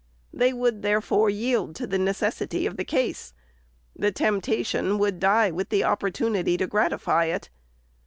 They would, therefore, yield to the necessity of the case. The temptation would die with the opportunity to gratify it.